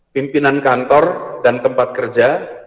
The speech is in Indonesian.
pimpinan kantor dan tempat kerja